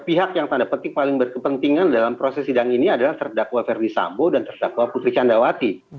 pihak yang tanda petik paling berkepentingan dalam proses sidang ini adalah terdakwa ferdi sambo dan terdakwa putri candrawati